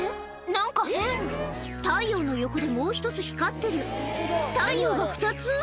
何か変太陽の横でもう１つ光ってる太陽が２つ？